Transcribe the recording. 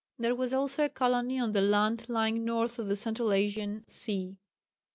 There was also a colony on the land lying north of the central Asian sea.